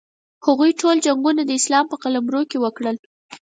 هغوی ټول جنګونه د اسلام په قلمرو کې وکړل.